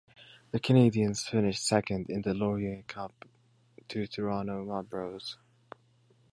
The Canadiens finished second in the Laurier Cup to the Toronto Marlboros.